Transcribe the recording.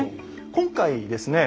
今回ですね